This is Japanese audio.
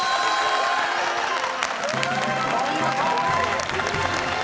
［お見事！］